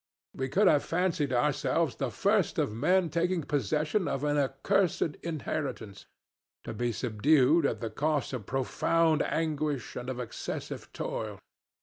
We could have fancied ourselves the first of men taking possession of an accursed inheritance, to be subdued at the cost of profound anguish and of excessive toil.